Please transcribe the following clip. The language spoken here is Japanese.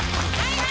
はい。